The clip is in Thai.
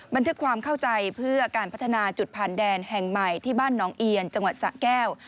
บันทึกความเข้าใจเพื่อการพัฒนาจุดผ่านแดนแห่งใหม่ที่บ้านน้องเอียนจังหวัดสะแก้ว